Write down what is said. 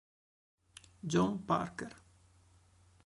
John Parker